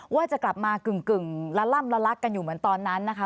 ว่าจะกลับมากึ่งละล่ำละลักกันอยู่เหมือนตอนนั้นนะคะ